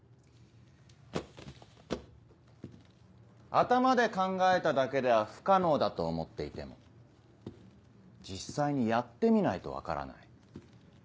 頭で考えただけでは不可能だと思っていても実際にやってみないと分からない。